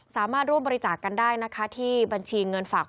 สามารถร่วมบริจาคกันได้นะคะที่บัญชีเงินฝาก